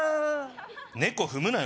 猫踏むなよ